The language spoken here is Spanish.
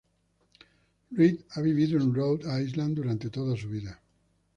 Reed ha vivido en Rhode Island durante toda su vida.